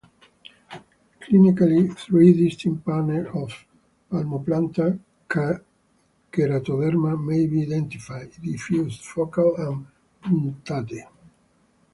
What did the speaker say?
Clinically, three distinct patterns of palmoplantar keratoderma may be identified: diffuse, focal, and punctate.